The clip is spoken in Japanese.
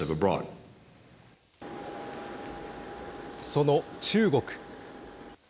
その中国。